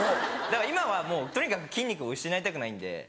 だから今はもうとにかく筋肉を失いたくないんで。